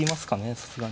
さすがに。